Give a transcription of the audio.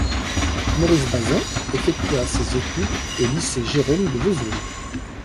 Maurice Bazin effectua ses études au lycée Gérôme de Vesoul.